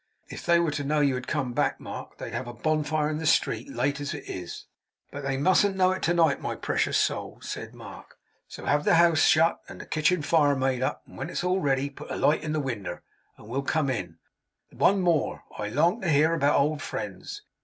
'If they were to know you had come back, Mark, they'd have a bonfire in the street, late as it is.' 'But they mustn't know it to night, my precious soul,' said Mark; 'so have the house shut, and the kitchen fire made up; and when it's all ready, put a light in the winder, and we'll come in. One more! I long to hear about old friends.